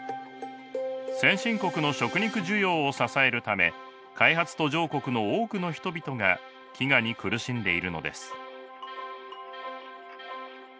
先進国の食肉需要を支えるため開発途上国の多くの人々が飢餓に苦しんでいるのです。